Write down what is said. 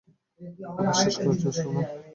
খাবার শেষ করছো, সোনা?